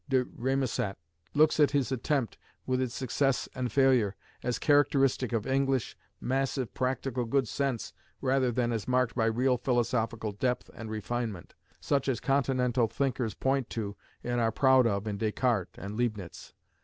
de Rémusat looks at his attempt, with its success and failure, as characteristic of English, massive, practical good sense rather than as marked by real philosophical depth and refinement, such as Continental thinkers point to and are proud of in Descartes and Leibnitz.